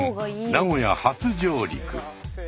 名古屋初上陸。